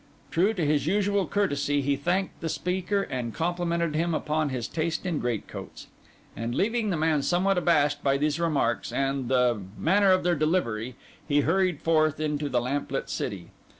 True to his usual courtesy, he thanked the speaker and complimented him upon his taste in greatcoats; and leaving the man somewhat abashed by these remarks and the manner of their delivery, he hurried forth into the lamplit city.